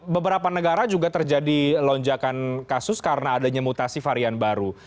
beberapa negara juga terjadi lonjakan kasus karena adanya mutasi varian baru